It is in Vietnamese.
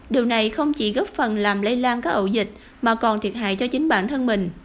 điều này không chỉ góp phần làm lây lan các ậu dịch mà còn thiệt hại cho chính bản thân mình